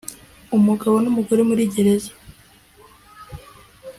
umugabo n umugore muri gereza